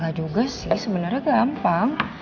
gak juga sih sebenarnya gampang